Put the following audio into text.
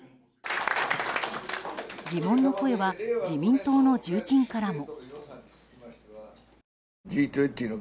疑問の声は自民党の重鎮からも。